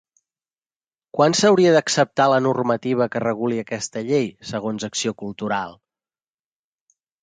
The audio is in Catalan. Quan s'hauria d'acceptar la normativa que reguli aquesta llei, segons Acció Cultural?